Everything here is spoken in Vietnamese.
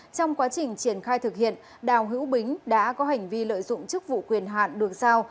trong quá trình triển khai thực hiện đào hữu bính đã có hành vi lợi dụng chức vụ quyền hạn được sao